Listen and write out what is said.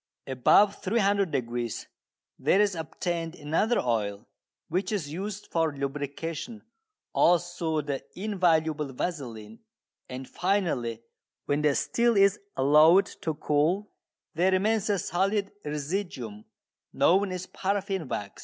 Above 300° there is obtained another oil, which is used for lubrication, also the invaluable vaseline, and finally, when the still is allowed to cool, there remains a solid residuum known as paraffin wax.